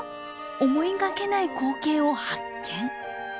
思いがけない光景を発見！